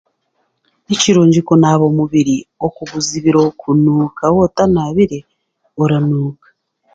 Ni kirungi kunaaba omubiri okuguzibira kunuuka waaba otanaabire, oranuuka.